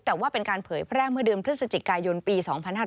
แต่ว่าเป็นการเผยแพร่เมื่อเดือนพฤศจิกายนปี๒๕๕๙